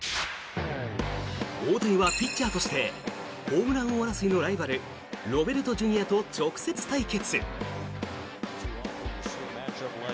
大谷はピッチャーとしてホームラン王争いのライバルロベルトＪｒ．と直接対決。